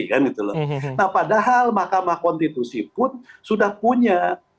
nah padahal mahkamah konstitusi pun sudah punya